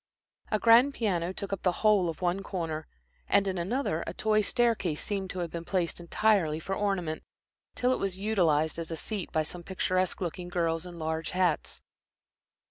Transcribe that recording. A grand piano took up the whole of one corner, and in another a toy staircase seemed to have been placed entirely for ornament, till it was utilized as a seat by some picturesque looking girls in large hats.